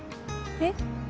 えっ？